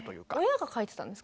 親が書いてたんですか？